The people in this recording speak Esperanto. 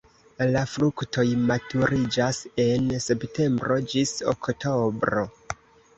La fruktoj maturiĝas en septembro ĝis oktobro.